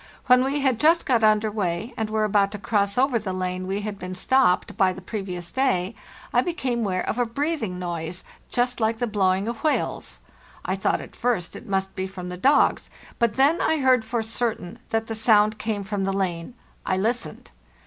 When we had just got under way, and were about to cross over the lane we had been stopped by the previous day, I became aware of a breathing noise, just like the blowing of whales. I thought at first it must be from the dogs, but then I heard for certain that the sound came from the lane. I listened.